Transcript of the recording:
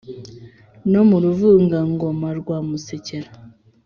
no mu ruvugangoma rwa musekera,